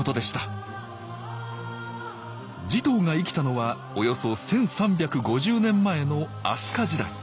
持統が生きたのはおよそ１，３５０年前の飛鳥時代。